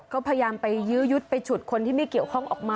ก็พยายามไปยื้อยุดไปฉุดคนที่ไม่เกี่ยวข้องออกมา